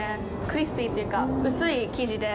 クリスピーというか、薄い生地で。